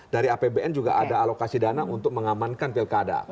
dari apbn juga ada alokasi dana untuk mengamankan pilkada